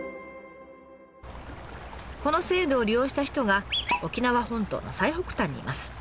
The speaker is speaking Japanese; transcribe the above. この制度を利用した人が沖縄本島の最北端にいます。